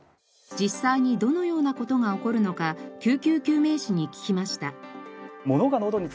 実際にどのような事が起こるのか救急救命士に聞きました。